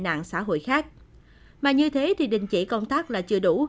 ckeit đórut khác mà như thế thì đình chỉ con các là chưa đủ